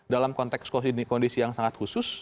dalam konteks kondisi yang sangat khusus